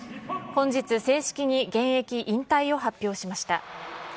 本日、正式に現役引退を発表しました。